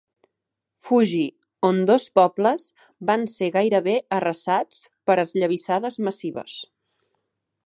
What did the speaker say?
Fuji, on dos pobles van ser gairebé arrasats per esllavissades massives.